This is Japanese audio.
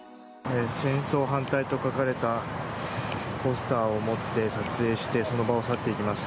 戦争反対と書かれたポスターを持って撮影してその場を去っていきます。